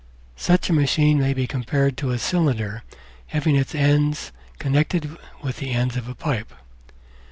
Such a machine may be compared to a cylinder having its ends connected with the ends of a pipe.